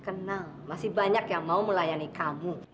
kenal masih banyak yang mau melayani kamu